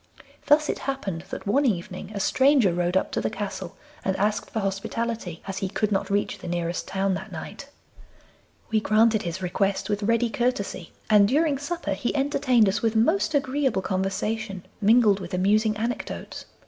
Thus it happened that one evening a stranger rode up to the castle and asked for hospitality, as he could not reach the nearest town that night. We granted his request with ready courtesy, and during supper he entertained us with most agreeable conversation, mingled with amusing anecdotes.